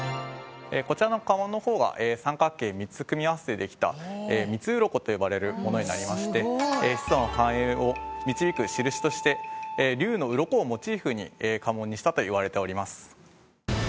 こちらの家紋の方が三角形を３つ組み合わせてできた三つ鱗と呼ばれるものになりまして子孫繁栄を導く印として龍のウロコをモチーフに家紋にしたといわれております。